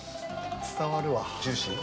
伝わるわジューシー？